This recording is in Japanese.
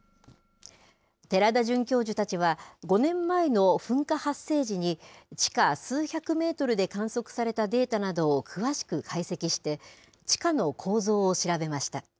寺田准教授たちは、５年前の噴火発生時に、地下数百メートルで観測されたデータなどを詳しく解析して、地下の構造を調べました。